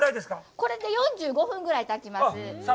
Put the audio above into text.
これで４５分くらい、炊きます。